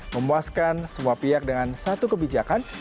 memuaskan semua pihak dengan satu kebijakan